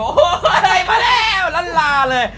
โอ้อะไรมาแล้วล่าเลย